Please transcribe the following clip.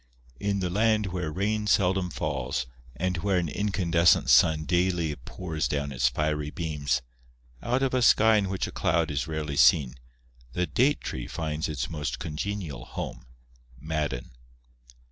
" In the land where rain seldom falls and where an in candescent sun daily pours down its fiery beams, out of a sky in which a cloud is rarely seen, the date tree finds its most congenial home,, (Madden).